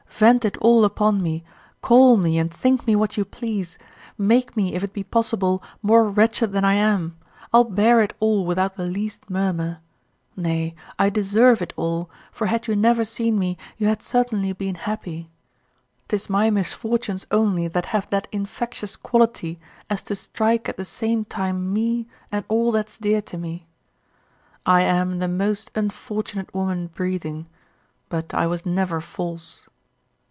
Vent it all upon me; call me and think me what you please; make me, if it be possible, more wretched than I am. I'll bear it all without the least murmur. Nay, I deserve it all, for had you never seen me you had certainly been happy. 'Tis my misfortunes only that have that infectious quality as to strike at the same time me and all that's dear to me. I am the most unfortunate woman breathing, but I was never false.